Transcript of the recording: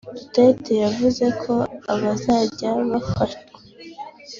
Duterte yavuze ko abazajya bafatwa